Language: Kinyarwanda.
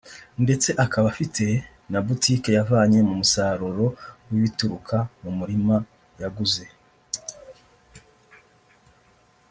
ndetse akaba afite na butike yavanye mu musaruro w’ibituruka mu murima yaguze